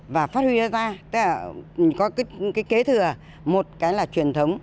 và phát huy ra có cái kế thừa một cái là truyền thống